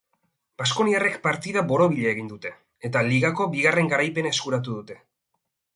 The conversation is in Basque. Baskoniarrek partida borobila egin dute, eta ligako bigarren garaipena eskuratu dute.